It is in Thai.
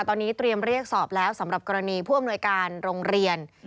ตอนนี้เตรียมเรียกสอบแล้วสำหรับกรณีผู้อำนวยการโรงเรียน